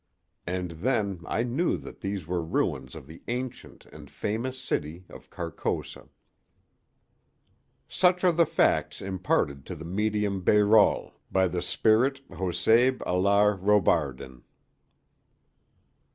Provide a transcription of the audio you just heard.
And then I knew that these were ruins of the ancient and famous city of Carcosa. Such are the facts imparted to the medium Bayrolles by the spirit Hoseib Alar Robardin.